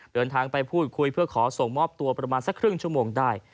เดินทางไปพูดคุยเพื่อขอส่งมอบตัวประมาณสักครึ่งชั่วโมงได้